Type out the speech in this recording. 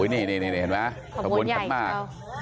นี่ขบวนขันหมาก